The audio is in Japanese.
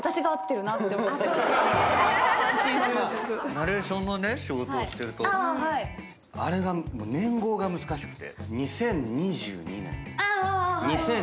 ナレーションの仕事をしてるとあれが年号が難しくて。